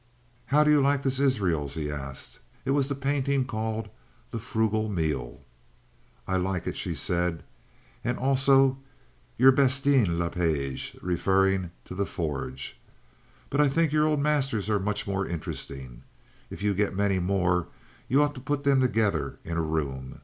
"How do you like this Israels?" he asked. It was the painting called "The Frugal Meal." "I like it," she said, "and also your Bastien Le Page," referring to "The Forge." "But I think your old masters are much more interesting. If you get many more you ought to put them together in a room.